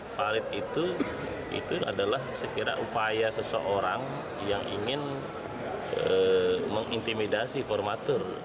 valid itu adalah sekiranya upaya seseorang yang ingin mengintimidasi formatur